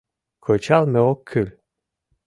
Кычалме ок кӱл.